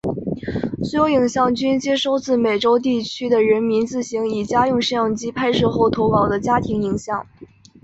所有影像均接收自美洲地区的人民自行以家用摄影机拍摄后投稿的家庭影像。